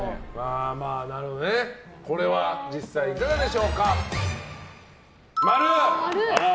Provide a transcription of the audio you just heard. これは実際いかがでしょうか。